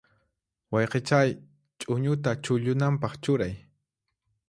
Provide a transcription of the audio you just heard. Wayqichay, ch'uñuta chullunanpaq churay.